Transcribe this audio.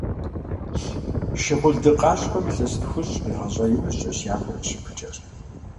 Шыгъулды къащхъуэм илъэс тхущӀ къигъэщӀа иужькӀэщ япэу къыщыпыкӀэр.